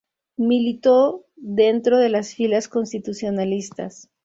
Militó dentro de las filas constitucionalistas.